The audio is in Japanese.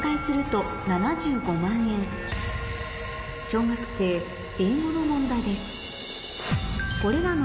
小学生英語の問題です